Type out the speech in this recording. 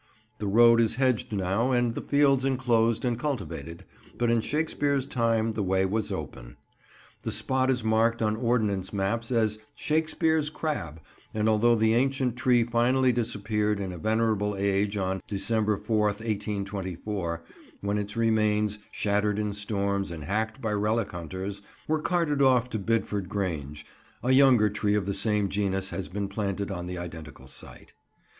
The road is hedged now and the fields enclosed and cultivated, but in Shakespeare's time the way was open. The spot is marked on Ordnance maps as "Shakespeare's Crab," and although the ancient tree finally disappeared in a venerable age on December 4th, 1824, when its remains, shattered in storms and hacked by relic hunters, were carted off to Bidford Grange, a younger tree of the same genus has been planted on the identical site.